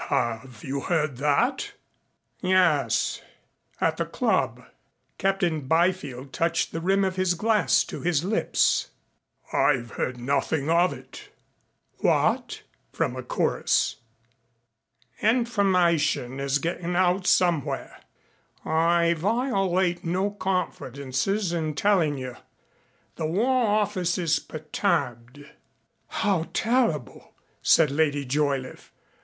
"Have you heard that?" "Yes. At the club." Captain Byfield touched the rim of his glass to his lips. "I've heard nothing of it." "What?" from a chorus. "Information is getting out somewhere. I violate no confidences in telling you. The War Office is perturbed." "How terrible!" said Lady Joyliffe.